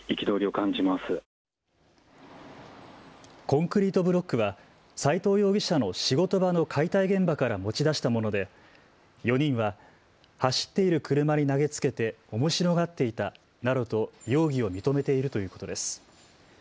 コンクリートブロックは斉藤容疑者の仕事場の解体現場から持ち出したもので４人は走っている車に投げつけておもしろがっていたなどと容疑を認めているということです。